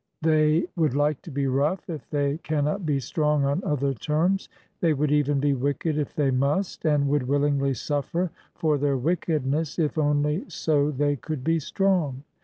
They would like to be rough if they cannot be strong on other terms; they would even be wicked if they must, and would willingly suffer for their wickedness if only so they could be strong.